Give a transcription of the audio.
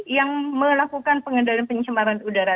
yang melakukan pengendalian pencemaran udara